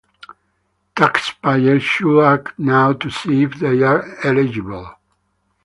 Taxpayers should act now to see if they are eligible.